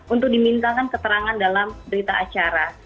untuk dimintakan keterangan dalam berita acara